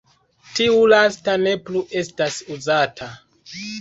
Tiu lasta ne plu estas uzata.